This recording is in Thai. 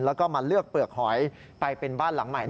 แล้วก็มาเลือกเปลือกหอยไปเป็นบ้านหลังใหม่